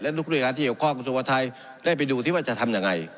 และทุกเรื่องที่เกี่ยวข้อกระทรวงพลังไทยได้ไปดูว่าจะทำยังไง